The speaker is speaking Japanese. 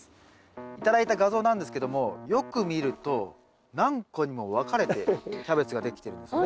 頂いた画像なんですけどもよく見ると何個にも分かれてキャベツができてるんですね。